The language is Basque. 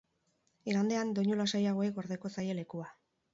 Igandean, doinu lasaiagoei gordeko zaie lekua.